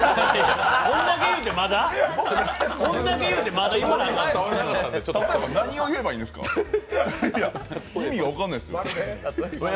こんだけ言うて、まだ？何を言えばいいんですか、意味が分からないですよ。